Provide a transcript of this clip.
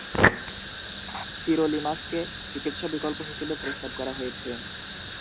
সিরোলিমাসকে চিকিৎসা বিকল্প হিসেবে প্রস্তাব করা হয়েছে।